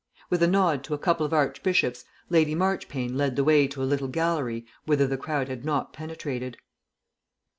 With a nod to a couple of Archbishops Lady Marchpane led the way to a little gallery whither the crowd had not penetrated.